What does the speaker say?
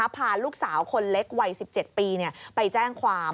พาลูกสาวคนเล็กวัย๑๗ปีไปแจ้งความ